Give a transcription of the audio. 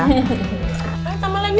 eh tambah lagi